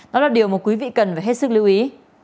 đó là điều mà quý vị cần phải hết sức lưu ý